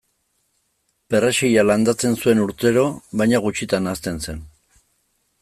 Perrexila landatzen zuen urtero baina gutxitan hazten zen.